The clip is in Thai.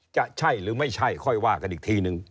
จะใช่หรือไม่ใช่ค่อยว่ากันอีกทีนึง